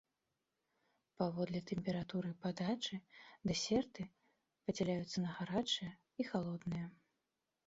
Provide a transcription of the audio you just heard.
Паводле тэмпературы падачы дэсерты падзяляюцца на гарачыя і халодныя.